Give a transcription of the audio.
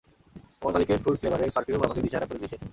আমার মালিকের ফ্রুট-ফ্ল্যাবারের পারফিউম আমাকে দিশেহারা করে দিছে।